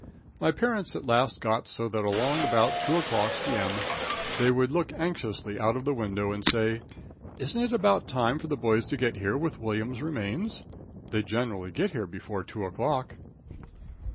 My parents at last got so that along about 2 o'clock P.M. they would look anxiously out of the window and say, "Isn't it about time for the boys to get here with William's remains? They generally get here before 2 o'clock."